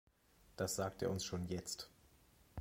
Das sagt er uns schon jetzt.